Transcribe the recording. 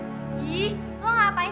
terima kasih ya aku ngajarin kamu les